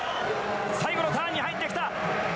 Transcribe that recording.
最後のターンに入ってきた。